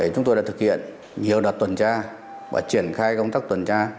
chúng tôi đã thực hiện nhiều đợt tuần tra và triển khai công tác tuần tra